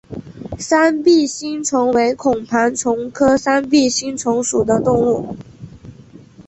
三臂星虫为孔盘虫科三臂星虫属的动物。